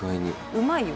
うまいよ。